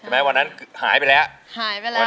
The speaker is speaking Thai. ใช่ไหมวันนั้นหายไปแล้วหายไปแล้วค่ะ